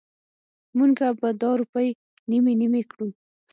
مونږ به دا روپۍ نیمې نیمې کړو.